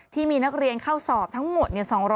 ที่มีนักเรียนเข้าสอบทั้งหมด